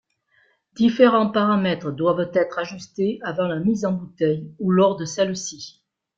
Différents paramètres doivent être ajustés avant la mise en bouteille, ou lors de celle-ci.